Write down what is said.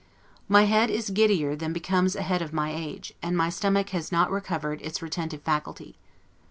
My head is giddier than becomes a head of my age; and my stomach has not recovered its retentive faculty.